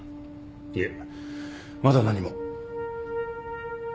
いえまだ何も。